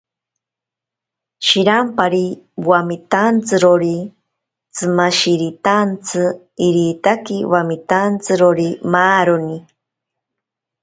Shirampari wamitantsirori tsimashiritantsi, iritaki wamitantsirori maaroni.